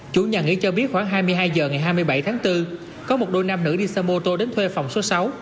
chủ nhà nghỉ cho biết khoảng hai mươi hai h ngày hai mươi bảy tháng bốn có một đôi nam nữ đi xe mô tô đến thuê phòng số sáu